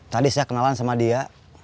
tadi saya kenalan sama dia